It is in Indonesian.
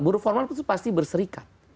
buruk formal itu pasti berserikat